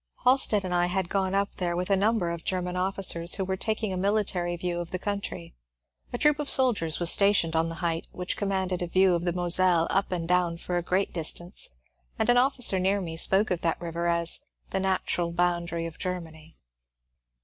Halstead and I had gone up there with a number of Grerman officers who were taking a military view of the country. A troop of soldiers were sta tioned on the height, which commanded a view of the Moselle up and down for a great distance, and an officer near me spoke of that river as ^^ the natural boundary of Germany."